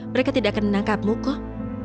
mereka tidak akan menangkapmu koh